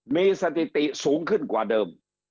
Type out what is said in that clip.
มีสถิติสูงขึ้นกว่าเดิม